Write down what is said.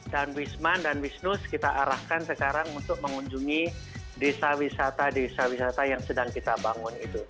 dan wisman dan wisnus kita arahkan sekarang untuk mengunjungi desa wisata desa wisata yang sedang kita bangun